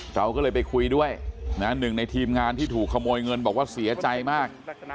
เราก็เลยไปคุยด้วยนะหนึ่งในทีมงานที่ถูกขโมยเงินบอกว่าเสียใจมาก